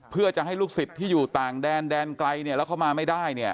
เพื่อจะให้ลูกศิษย์ที่อยู่ต่างแดนแดนไกลเนี่ยแล้วเข้ามาไม่ได้เนี่ย